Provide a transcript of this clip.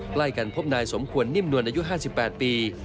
ใกล้กันพบนายสมควรนิ่มนวลอายุ๕๘ปี